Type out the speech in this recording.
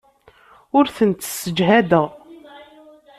Ur tent-ssejhadeɣ.